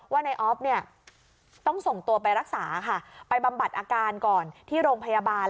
ว่าในออฟเนี่ยต้องส่งตัวไปรักษาค่ะไปบำบัดอาการก่อนที่โรงพยาบาล